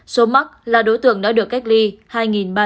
số mắc là đối tượng đã được kết quả